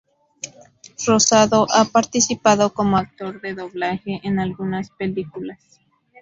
Rosado ha participado como actor de doblaje en algunas películas.